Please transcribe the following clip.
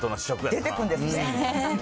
出てくんですね。